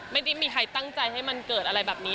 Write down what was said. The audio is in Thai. ไม่ได้มีใครตั้งใจให้มันเกิดอะไรแบบนี้